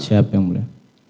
siap yang mulia